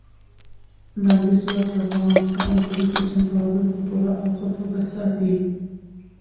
لمریز ځواک د افغانستان د طبعي سیسټم توازن په پوره او ښه توګه ساتي.